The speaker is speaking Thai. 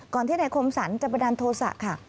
ก่อนที่นายคมสรรจะไปดันโทษะค่ะ